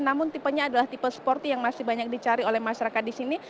namun tipenya adalah tipe sporty yang masih banyak dicari oleh masyarakat di sini